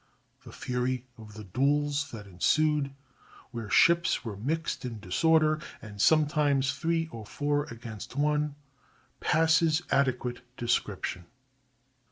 The fury of the duels that ensued, where ships were mixed in disorder, and sometimes three or four against one, passes adequate description.